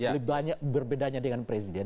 lebih banyak berbedanya dengan presiden